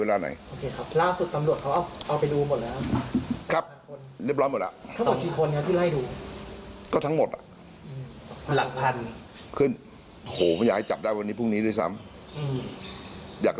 แล้วสุดตำรวจเอาไปดูหมดหมดเลยครับ